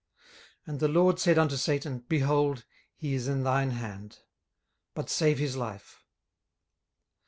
18:002:006 And the LORD said unto Satan, Behold, he is in thine hand; but save his life.